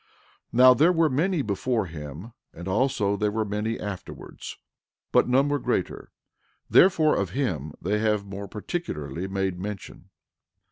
13:19 Now, there were many before him, and also there were many afterwards, but none were greater; therefore, of him they have more particularly made mention.